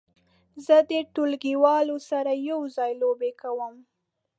زه د ټولګیوالو سره یو ځای لوبې کوم.